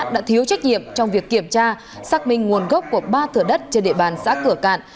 đã thiếu trách nhiệm trong việc kiểm tra xác minh nguồn gốc của ba thửa đất trên địa bàn xã cửa cạn